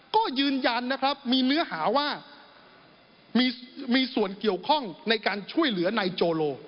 ก็ยืนยันนะครับมีเนื้อหาว่ามีส่วนเกี่ยวข้องในการช่วยเหลือนายโจโล